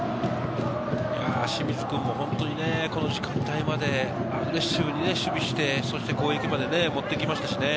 清水君も本当にこの時間帯までアグレッシブに守備をして、攻撃まで持っていきましたしね。